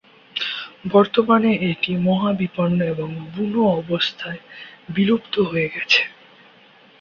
বর্তমানে এটি মহাবিপন্ন এবং বুনো অবস্থায় বিলুপ্ত হয়ে গেছে।